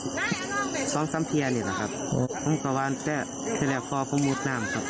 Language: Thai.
ข้อแนวนะคะ